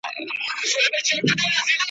درته ایښي د څپلیو دي رنګونه ,